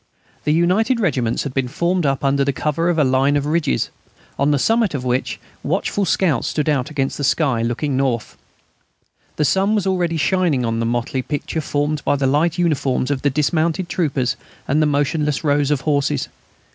The united regiments had been formed up under cover of a line of ridges, on the summit of which the watchful scouts stood out against the sky, looking north. The sun was already shining on the motley picture formed by the light uniforms of the dismounted troopers and the motionless rows of horses.